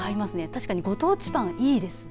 確かにご当地パンいいですね。